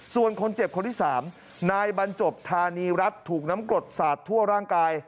ส่วนคนเจ็บคนที่๓นายบรรจบธานีรัฐถูกน้ำกรดสาดทั่วร่างกาย